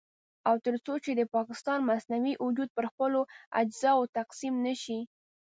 او تر څو چې د پاکستان مصنوعي وجود پر خپلو اجزاوو تقسيم نه شي.